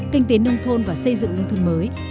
kinh tế nông thôn và xây dựng nông thôn mới